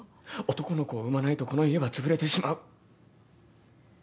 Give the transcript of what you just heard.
男の子を産まないとこの家はつぶれてしまう。